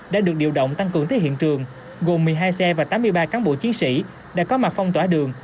đã được điều động tăng cường tới hiện trường gồm một mươi hai xe và tám mươi ba cán bộ chiến sĩ đã có mặt phong tỏa đường